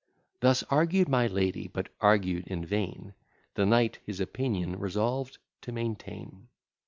Thus argued my lady, but argued in vain; The knight his opinion resolved to maintain.